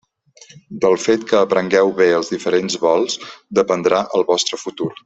Del fet que aprengueu bé els diferents vols dependrà el vostre futur.